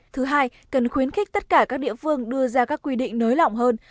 thứ hai cần khuyến khích tất cả các địa phương đưa ra các quy định nới lỏng hơn